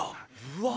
うわ。